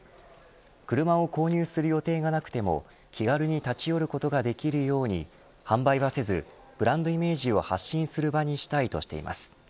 車を購入する予定がなくても気軽に立ち寄ることができるように販売はせず、ブランドイメージを発信する場にしたいとしています。